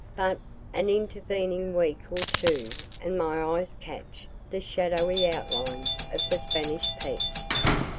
But an intervening week or two, and my eyes catch the shadowy outlines of the Spanish peaks.